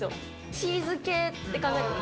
チーズ系って考えたとき。